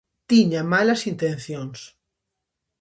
Tiña malas intencións.